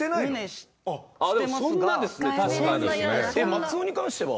松尾に関しては。